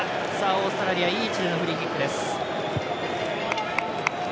オーストラリアいい位置のフリーキックです。